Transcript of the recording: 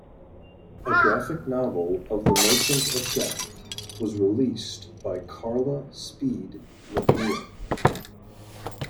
A graphic novel of the Merchant of Death was released by Carla Speed McNeil.